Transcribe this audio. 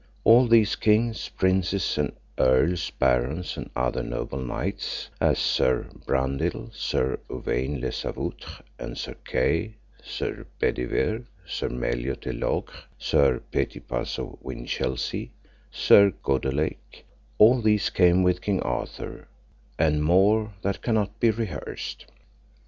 All these kings, princes, and earls, barons, and other noble knights, as Sir Brandiles, Sir Uwaine les Avoutres, and Sir Kay, Sir Bedivere, Sir Meliot de Logres, Sir Petipase of Winchelsea, Sir Godelake: all these came with King Arthur, and more that cannot be rehearsed.